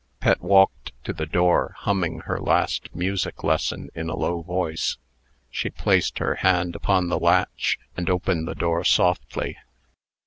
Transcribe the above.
Pet walked to the door, humming her last music lesson in a low voice. She placed her hand upon the latch, and opened the door softly.